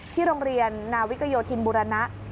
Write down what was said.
โรงเรียนนาวิกโยธินบุรณะ